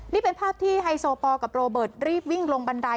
นี่เป็นภาพที่ไฮโซปอลกับโรเบิร์ตรีบวิ่งลงบันได